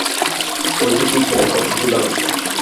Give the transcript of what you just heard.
ওইটুকু ছেলের কতটুকুই বা রক্ত!